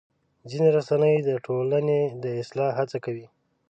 ځینې رسنۍ د ټولنې د اصلاح هڅه کوي.